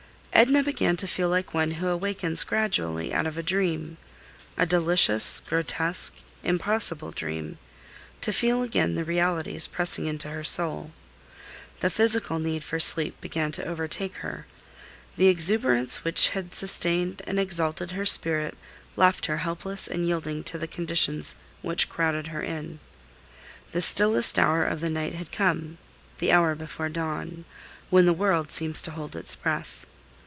Edna began to feel like one who awakens gradually out of a dream, a delicious, grotesque, impossible dream, to feel again the realities pressing into her soul. The physical need for sleep began to overtake her; the exuberance which had sustained and exalted her spirit left her helpless and yielding to the conditions which crowded her in. The stillest hour of the night had come, the hour before dawn, when the world seems to hold its breath.